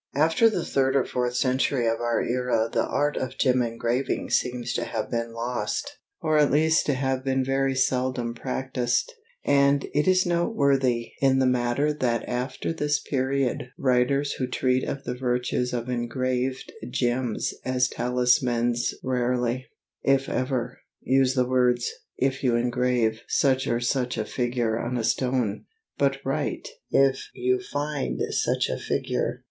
After the third or fourth century of our era the art of gem engraving seems to have been lost, or at least to have been very seldom practised, and it is noteworthy in the matter that after this period writers who treat of the virtues of engraved gems as talismans rarely, if ever, use the words "if you engrave" such or such a figure on a stone, but write "if you find" such a figure.